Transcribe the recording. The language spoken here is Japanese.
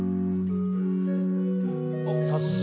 おっ早速。